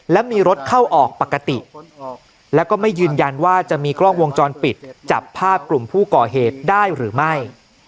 และมีรถเข้าออกปกติแล้วก็ไม่ยืนยันว่าจะมีกล้องวงจรปิดจับภาพกลุ่มผู้ก่อเหตุได้หรือไม่